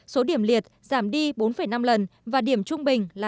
số điểm liệt giảm đi bốn năm lần và điểm trung bình là năm sáu mươi bốn